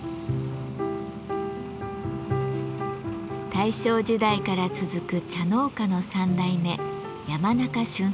大正時代から続く茶農家の３代目山中俊作さん。